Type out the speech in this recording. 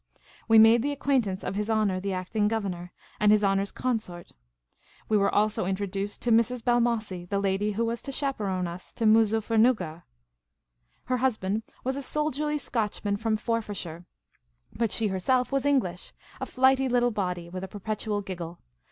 We made the acquaintance of His Honour the Acting Gov ernor, and His Honour's consort. We were also introduced to Mrs. Balmossie, the lady who was to chaperon us to Moo zAiffernuggar. Her husband was a soldierly Scotchman The Magnificent Maharajah 243 from Forfarshire, but she herself was English — a flighty little body with a perpetual giggle.